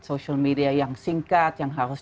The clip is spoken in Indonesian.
social media yang singkat yang harus